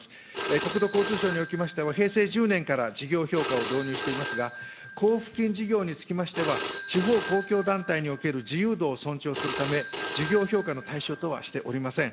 国土交通省におきましては、平成１０年から事業評価を導入していますが、交付金事業につきましては、地方公共団体における自由度を尊重するため、事業評価の対象とはしておりません。